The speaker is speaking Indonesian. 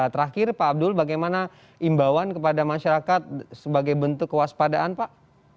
terakhir pak abdul bagaimana imbauan kepada masyarakat sebagai bentuk kewaspadaan pak